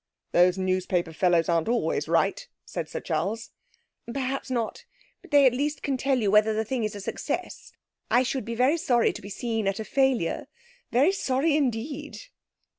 'Those newspaper fellows aren't always right,' said Sir Charles. 'Perhaps not, but at least they can tell you whether the thing is a success. I should be very sorry to be seen at a failure. Very sorry indeed.'